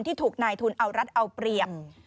ที่ถูกนายทุนเอารัฐเอาเปรียบ